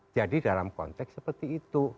jadi dalam konteks seperti itu